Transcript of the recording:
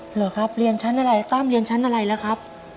เหรอครับเรียนชั้นอะไรต้อมเรียนชั้นอะไรแล้วครับ